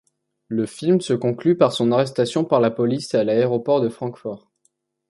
Le film se conclut par son arrestation par la police à l'aéroport de Francfort.